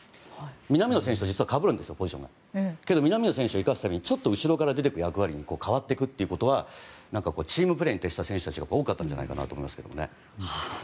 南野選手とポジションがかぶるんですけど南野選手を生かすためにちょっと後ろから出て行くポジションに変わっていくということはチームプレーに徹した選手が多かったんじゃないかと思いますけどね。